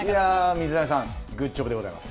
水谷さん、グッジョブでございます。